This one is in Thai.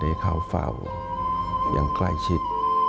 ให้เข้าเฝ้าอย่างใกล้ชิด